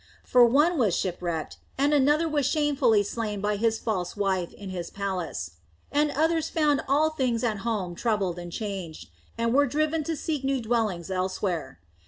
For one was shipwrecked, and another was shamefully slain by his false wife in his palace, and others found all things at home troubled and changed, and were driven to seek new dwellings elsewhere.